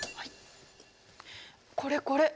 これこれ。